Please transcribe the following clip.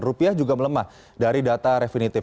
rupiah juga melemah dari data refinitif